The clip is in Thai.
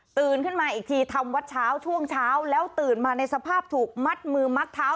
ขึ้นมาอีกทีทำวัดเช้าช่วงเช้าแล้วตื่นมาในสภาพถูกมัดมือมัดเท้า